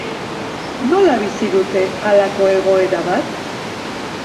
Nola bizi dute halako egoera bat?